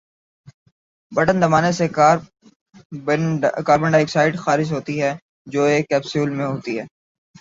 Button دبانے سے carbon dioxide خارج ہوتی ہے جو ایک کیپسول میں ہوتی ہے۔